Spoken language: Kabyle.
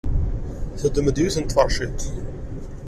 Teddem-d yiwet n tferciḍt.